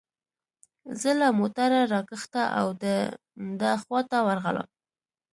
زه له موټره را کښته او د ده خواته ورغلم.